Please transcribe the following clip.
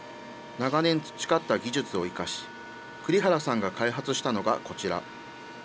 長年培った技術を生かし、栗原さんが開発したのがこちら。